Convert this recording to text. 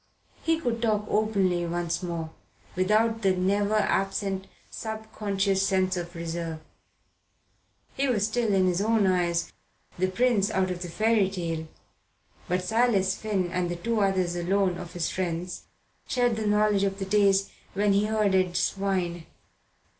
He could talk openly once more, without the never absent subconscious sense of reserve. He was still, in his own, eyes, the prince out of the fairy tale; but Silas Finn and the two others alone of his friends shared the knowledge of the days when he herded swine.